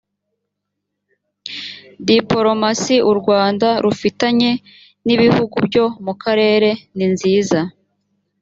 dipolomasi u rwanda rufitanye n’ ibihugu byo mu karere ninziza.